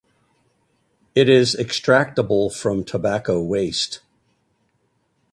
It is extractable from tobacco waste.